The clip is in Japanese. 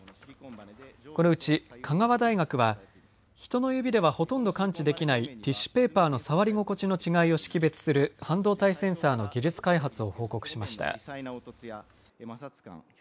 このうち香川大学は人の指ではほとんど感知できないティッシュペーパーの触り心地の違いを識別する半導体センサーの技術開発を報告しました。